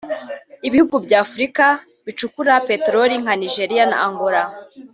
Ibihugu bya Afurika bicukura Peteroli nka Nigeria na Angola